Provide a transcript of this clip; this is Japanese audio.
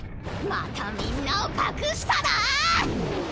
またみんなを隠したな⁉ふん！